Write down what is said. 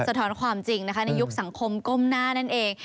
ท้อนความจริงนะคะในยุคสังคมก้มหน้านั่นเอง